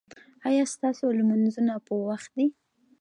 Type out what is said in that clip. ایا ستاسو لمونځونه په وخت دي؟